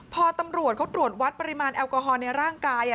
พอตำรวจเขาตรวจวัดปริมาณแอลกอฮอลในร่างกาย